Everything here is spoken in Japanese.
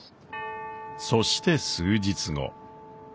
そして数日後。